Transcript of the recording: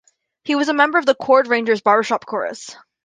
He was a member of "The Chordrangers" barbershop chorus.